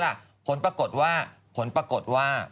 รู้แล้วดักรอ